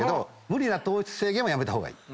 無理な糖質制限はやめた方がいい。